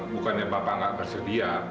bukannya papa nggak bersedia